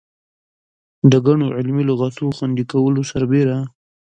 د ګڼو علمي لغاتو خوندي کولو سربېره.